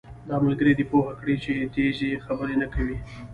دا ملګری دې پوهه کړه چې تېزي خبرې نه کوي